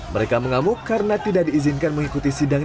mereka mengamuk karena tidak diizinkan mengikuti sidang